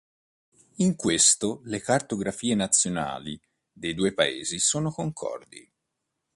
In questo le cartografie nazionali dei due paesi sono concordi.